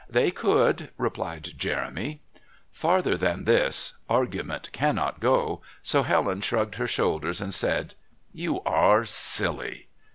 "They could," replied Jeremy. Farther than this argument cannot go, so Helen shrugged her shoulders and said: "You are silly."